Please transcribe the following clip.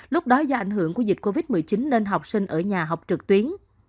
lúc đó do ảnh hưởng của dịch covid một mươi chín nên học sinh ở nhà học trực tuyến